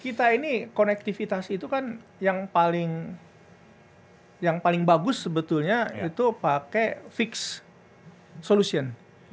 kita ini konektivitas itu kan yang paling bagus sebetulnya itu pakai fix solution